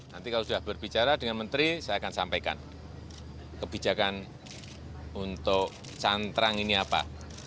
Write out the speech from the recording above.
nanti kalau sudah berbicara dengan menteri saya akan sampaikan kebijakan untuk cantrang ini apa